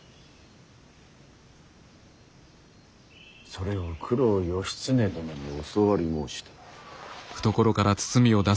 それを九郎義経殿に教わり申した。